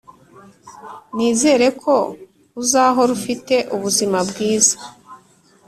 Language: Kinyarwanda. nizere ko uzahora ufite ubuzima bwiza,